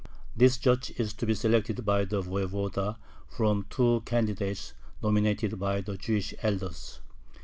This judge is to be selected by the voyevoda from two candidates nominated by the Jewish elders.